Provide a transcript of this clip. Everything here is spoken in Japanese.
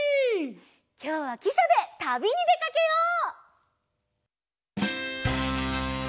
きょうはきしゃでたびにでかけよう！